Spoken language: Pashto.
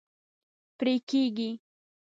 پرې کیږي